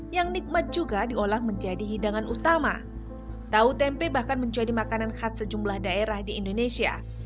ya karena harga rp lima belas per kilo harga jual di pasar belum bisa naik